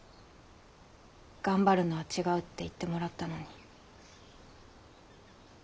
「頑張るのは違う」って言ってもらったのに。